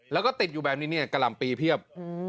แล้วก็ติดอยู่แบบนี้เนี่ยกะหล่ำปีเพียบ